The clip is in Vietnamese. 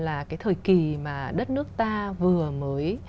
là cái thời kỳ mà đất nước ta vừa mới